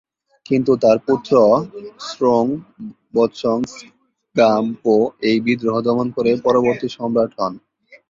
কিন্তু তাঁর পুত্র স্রোং-ব্ত্সন-স্গাম-পো এই বিদ্রোহ দমন করে পরবর্তী সম্রাট হন।